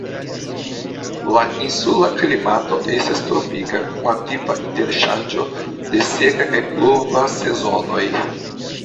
La insula klimato estas tropika, kun la tipa interŝanĝo de seka kaj pluva sezonoj.